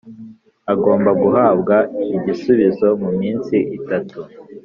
agomba guhabwa igisubizo mu minsi itatu